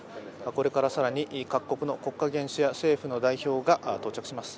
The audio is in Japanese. これから更に各国の国家元首や政府の代表が到着します。